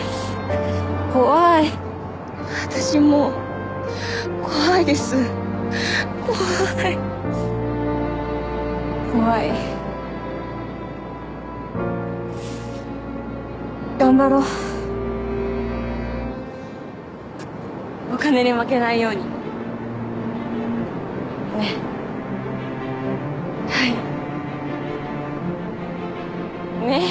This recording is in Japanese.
怖い私も怖いです怖い怖い頑張ろうお金に負けないようにねえはいねえ